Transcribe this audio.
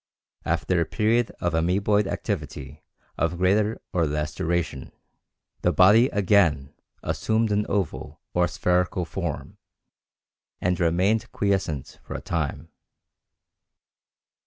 After a period of amoeboid activity of greater or less duration, the body again assumed an oval or spherical form and remained quiescent for a time.